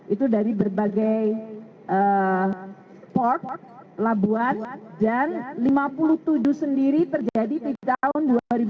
itu dari berbagai port labuan dan lima puluh tujuh sendiri terjadi di tahun dua ribu dua puluh